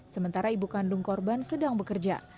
sementara ibu kandung korban sedang bekerja